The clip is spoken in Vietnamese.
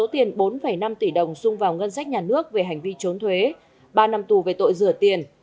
bốn năm tỷ đồng sung vào ngân sách nhà nước về hành vi trốn thuế ba năm tù về tội rửa tiền